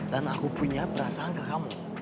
aku punya perasaan ke kamu